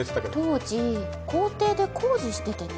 当時校庭で工事しててね